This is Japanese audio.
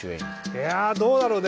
いやどうだろうね